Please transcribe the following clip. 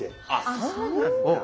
あそうなんだ。